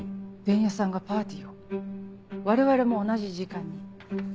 伝弥さんがパーティーを我々も同じ時間に。